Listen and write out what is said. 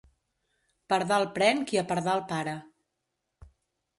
Pardal pren qui a pardal para.